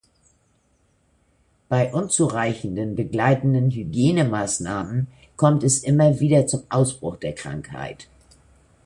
Bei unzureichenden begleitenden Hygienemaßnahmen kommt es immer wieder zum Ausbruch der Krankheit.